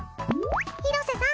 廣瀬さん